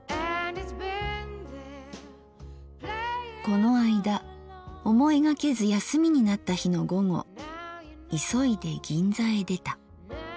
「このあいだ思いがけず休みになった日の午後いそいで銀座へ出た。